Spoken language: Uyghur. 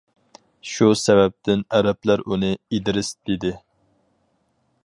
شۇ سەۋەبتىن ئەرەبلەر ئۇنى ئىدرىس دېدى.